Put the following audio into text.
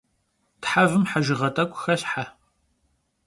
Thevım hejjığe t'ek'u xelhhe.